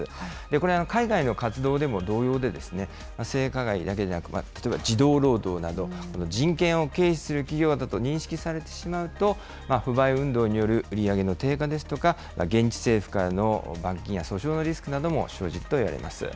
これ、海外の活動でも同様で、性加害だけじゃなく、例えば児童労働など、人権を軽視する企業だと認識されてしまうと、不買運動による売り上げの低下ですとか、現地政府からの罰金や訴訟のリスクなども生じるといわれます。